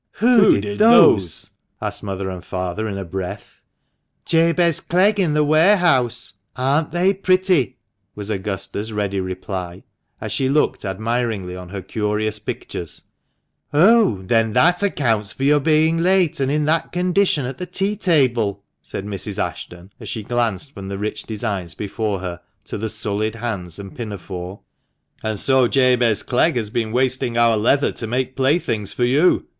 " Who did those ?" asked mother and father in a breath. " Jabez Clegg, in the warehouse. Aren't they pretty ?" was Augusta's ready reply, as she looked admiringly on her curious pictures. THE MANCHESTER MAN. 151 " Oh ! then that accounts for your being late, and in that condition at the tea table," said Mrs. Ashton, as she glanced from the rich designs before her to the sullied hands and pinafore. "And so Jabez Clegg has been wasting our leather to make playthings for you